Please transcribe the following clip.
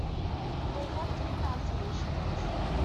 The correct pronunciation is.